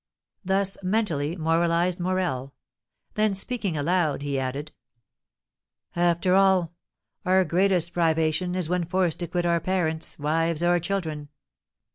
Thus mentally moralised Morel. Then, speaking aloud, he added: "After all, our greatest privation is when forced to quit our parents, wives, or children.